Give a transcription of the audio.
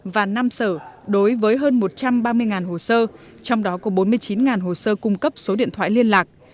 và năm sở đối với hơn một trăm ba mươi hồ sơ trong đó có bốn mươi chín hồ sơ cung cấp số điện thoại liên lạc